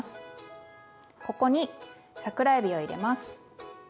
ここに桜えびを入れます。